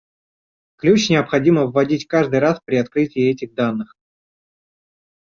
Ключ необходимо вводить каждый раз при открытии этих данных